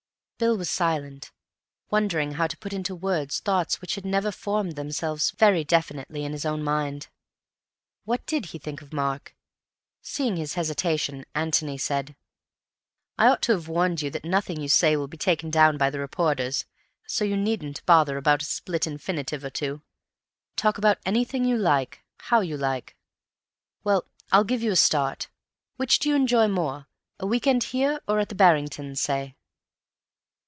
Bill was silent, wondering how to put into words thoughts which had never formed themselves very definitely in his own mind. What did he think of Mark? Seeing his hesitation, Antony said: "I ought to have warned you that nothing that you say will be taken down by the reporters, so you needn't bother about a split infinitive or two. Talk about anything you like, how you like. Well, I'll give you a start. Which do you enjoy more—a week end here or at the Barrington's, say?"